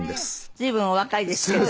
随分お若いですけど。